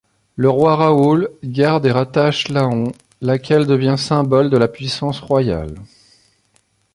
Le roi Raoul garde et rattache Laon, laquelle devient symbole de la puissance royale.